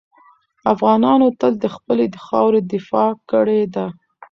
افغانانو تل د خپلې خاورې دفاع کړې ده.